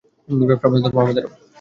ব্যবসা আপনার ধর্ম, আমাদেরও।